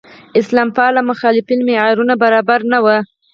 اسلام پاله مخالفان معیارونو برابر نه وو.